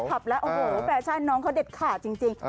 คลับแล้วแปลชั่นน้องเขาเด็ดขาดจริง